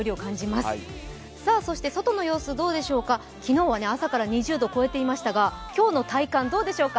そして外の様子どうでしょうか、昨日は朝から２０度を超えていましたが、今日の体感、どうでしょうか？